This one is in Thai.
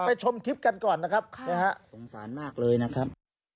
ชมคลิปกันก่อนนะครับสงสารมากเลยนะครับ